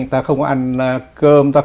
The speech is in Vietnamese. ta không ăn cơm